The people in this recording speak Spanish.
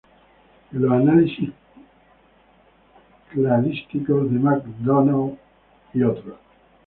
En los análisis cladísticos de McDonald "et al.